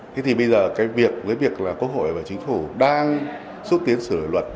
thế thì bây giờ cái việc với việc là quốc hội và chính phủ đang xúc tiến sửa luật